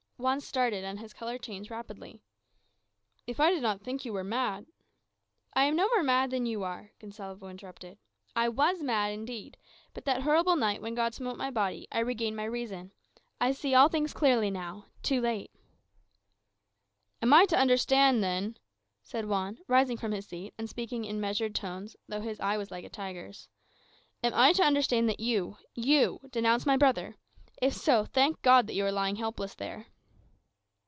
Juan started, and his colour changed rapidly. "If I did not think you were mad " "I am no more mad than you are," Gonsalvo interrupted. "I was mad, indeed; but that horrible night, when God smote my body, I regained my reason. I see all things clearly now too late." "Am I to understand, then," said Juan, rising from his seat, and speaking in measured tones, though his eye was like a tiger's "am I to understand that you you denounced my brother? If so, thank God that you are lying helpless there."